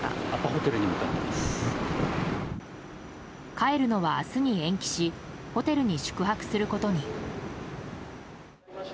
帰るのは明日に延期しホテルに宿泊することに。